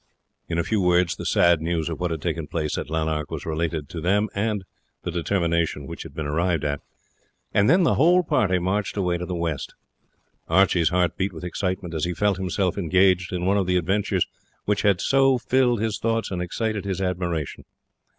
In a few words the sad news of what had taken place at Lanark was related to them and the determination which had been arrived at, and then the whole party marched away to the west. Archie's heart beat with excitement as he felt himself engaged in one of the adventures which had so filled his thoughts and excited his admiration.